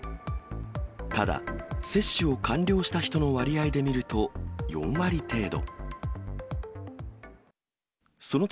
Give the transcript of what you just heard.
ただ、接種を完了した人の割合で見ると４割程度。